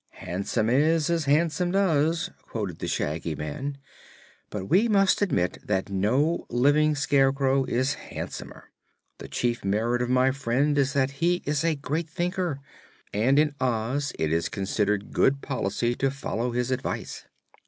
"Handsome is as handsome does," quoted the Shaggy Man; "but we must admit that no living scarecrow is handsomer. The chief merit of my friend is that he is a great thinker, and in Oz it is considered good policy to follow his advice."